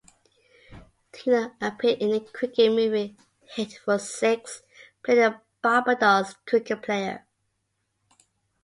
Tino appeared in the cricket movie Hit for Six playing a Barbados cricket player.